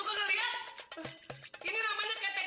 sara tapi gadis alm backstory